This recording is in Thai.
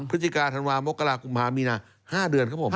พฤศจิกาธันวามกรากุมภามีนา๕เดือนครับผม